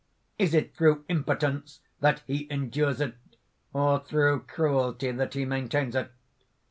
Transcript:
"Is it through impotence that he endures it, or through cruelty that he maintains it?